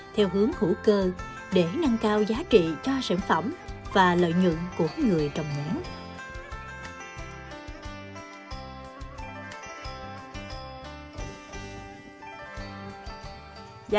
theo hướng hữu cơ để nâng cao giá trị cho sản phẩm và lợi nhuận của người trồng nhãn